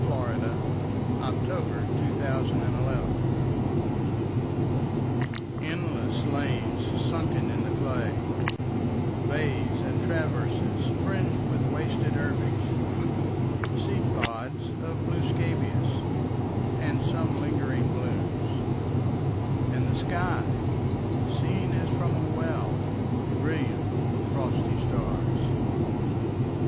Frederic Manning THE TRENCHES ENDLESS lanes sunken in the clay, Bays, and traverses, fringed with wasted herbage, Seed pods of blue scabious, and some lingering blooms ; And the sky, seen as from a well, Brilliant with frosty stars.